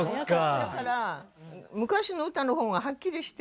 だから昔の歌の方がはっきりして。